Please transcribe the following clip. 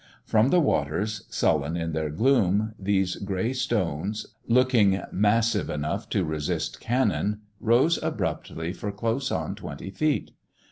From the waters, sullen in their gloom, these grey stones, looking massive enough to resist cannon, rose abruptly for close on twenty feet.